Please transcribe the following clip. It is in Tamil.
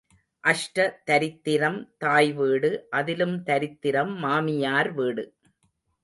அஷ்ட தரித்திரம் தாய் வீடு அதிலும் தரித்திரம் மாமியார் வீடு.